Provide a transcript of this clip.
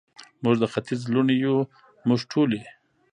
موږ د ختیځ لوڼې یو، موږ ټولې،